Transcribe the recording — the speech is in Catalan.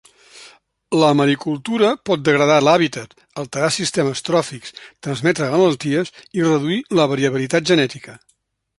La maricultura pot degradar l'hàbitat, alterar sistemes tròfics, transmetre malalties i reduir la variabilitat genètica.